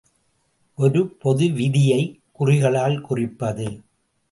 ஒரு பொது விதியைக் குறிகளால் குறிப்பது.